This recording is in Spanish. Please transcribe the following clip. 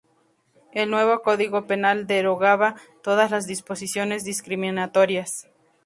El nuevo Código Penal derogaba todas las disposiciones discriminatorias.